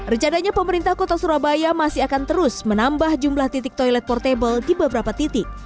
recananya pemerintah kota surabaya masih akan terus menambah jumlah titik toilet portable di beberapa titik